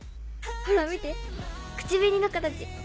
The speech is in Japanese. ほら見て口紅の形！